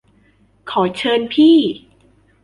ขอเชิญพี่